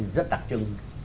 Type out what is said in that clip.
rất đặc trưng